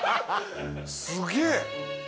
すげえ。